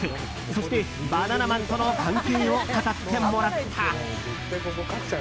そして、バナナマンとの関係を語ってもらった。